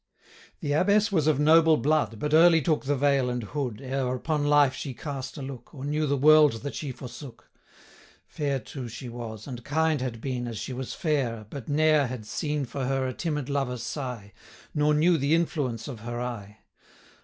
The Abbess was of noble blood, 45 But early took the veil and hood, Ere upon life she cast a look, Or knew the world that she forsook. Fair too she was, and kind had been As she was fair, but ne'er had seen 50 For her a timid lover sigh, Nor knew the influence of her eye.